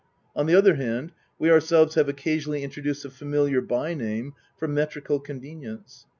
On the other hand, we ourselves have occasionally introduced a familiar by narne for metrical convenience.